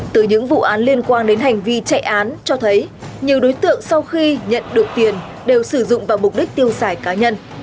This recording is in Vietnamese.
từ những vụ án liên quan đến hành vi chạy án cho thấy nhiều đối tượng sau khi nhận được tiền đều sử dụng vào mục đích tiêu xài cá nhân